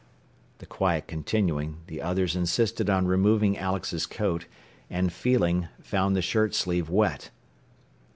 The quiet continuing, the others insisted on removing Alex's coat, and feeling, found the shirt sleeve wet.